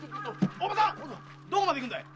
おばさんどこまで行くんだい？